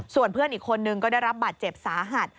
ส่วนเพื่อนอีกคนนึงก็ได้รับบาดเจ็บสาหัส